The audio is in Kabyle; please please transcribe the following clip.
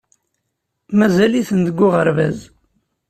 Mazal-iten deg uɣerbaz.